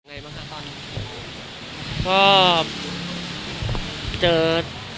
อะไรบ้างครับตอนที่เจอ